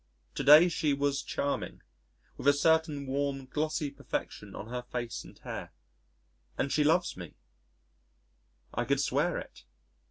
To day she was charming, with a certain warm glossy perfection on her face and hair.... And she loves me I could swear it.